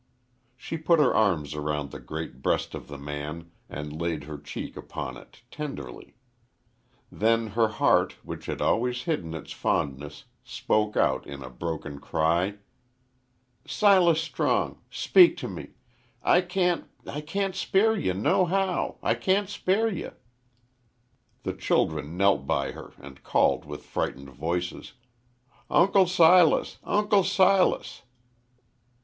She put her arms around the great breast of the man and laid her cheek upon it tenderly. Then her heart, which had always hidden its fondness, spoke out in a broken cry: "Silas Strong speak t' me. I can't I can't spare ye nohow I can't spare ye." The children knelt by her and called with frightened voices: "Uncle Silas! Uncle Silas!"